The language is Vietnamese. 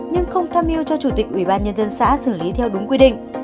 nhưng không tham mưu cho chủ tịch ủy ban nhân dân xã xử lý theo đúng quy định